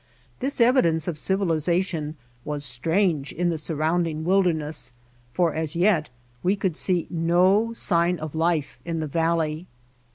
This evi dence of civilization was strange in the sur rounding wilderness, for as yet we could see no sign of life in the valley.